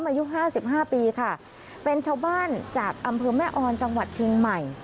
อายุห้าสิบห้าปีค่ะเป็นชาวบ้านจากอำเภอแม่ออนจังหวัดเชียงใหม่